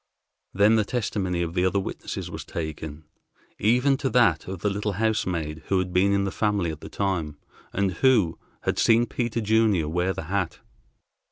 Then the testimony of the other witnesses was taken, even to that of the little housemaid who had been in the family at the time, and who had seen Peter Junior wear the hat.